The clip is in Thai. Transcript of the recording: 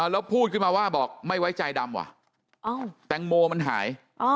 แล้วพูดออกไม่ไว้ใจดำแตงโมมันหาย